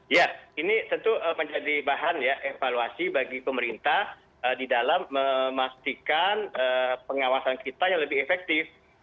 ya ini tentu menjadi bahan ya evaluasi bagi pemerintah di dalam memastikan pengawasan kita yang lebih efektif